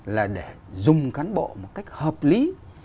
là để dùng cán bộ một cách hợp lý